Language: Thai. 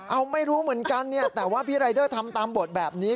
เอาไม่รู้เหมือนกันเนี่ยแต่ว่าพี่รายเดอร์ทำตามบทแบบนี้